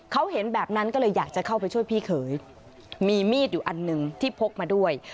เขาเห็นแบบนั้นก็เลยอยากจะเข้าไปช่วยพี่เขยมีมีดอยู่อันหนึ่งที่พกมาด้วย